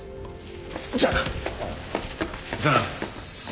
じゃあな！